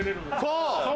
そう。